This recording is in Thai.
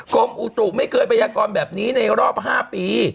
กรมอุตุไม่เคยพยากรแบบนี้ในรอบ๕ปี